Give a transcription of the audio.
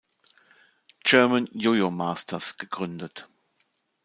German Yo-Yo Masters gegründet.